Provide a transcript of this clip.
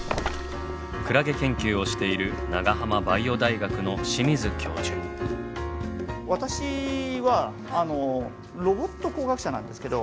クラゲ研究をしている私はロボット工学者なんですけど。